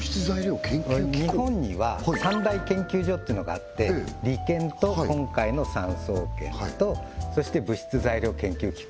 日本には三大研究所というのがあって理研と今回の産総研とそして物質・材料研究機構